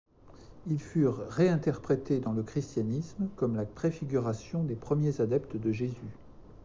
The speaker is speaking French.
Ils furent réinterprétés dans le christianisme comme la préfiguration des premiers adeptes de Jésus.